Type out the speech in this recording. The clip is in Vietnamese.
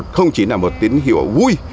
không chỉ là một tín hiệu vui